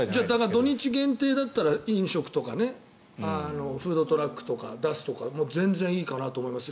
土日限定だったら飲食とかフードトラックを出すとか全然いいかなと思います。